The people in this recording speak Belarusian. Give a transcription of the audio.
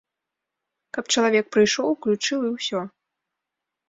Каб чалавек прыйшоў, уключыў, і ўсё.